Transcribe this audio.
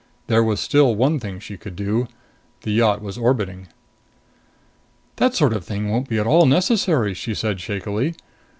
There was still one thing she could do. The yacht was orbiting. "That sort of thing won't be at all necessary!" she said shakily.